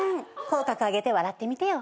口角上げて笑ってみてよ」